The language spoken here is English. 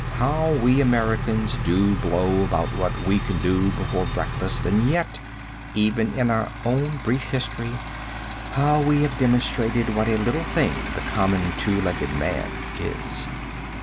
How we Americans do blow about what we can do before breakfast, and, yet, even in our own brief history, how we have demonstrated what a little thing the common two legged man is.